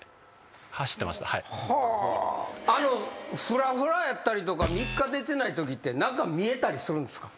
ふらふらやったりとか３日寝てないときって何か見えたりするんすか？